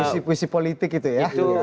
usi usi politik itu ya